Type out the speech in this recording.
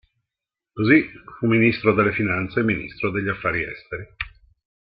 Così, fu ministro delle Finanze e Ministro degli Affari Esteri.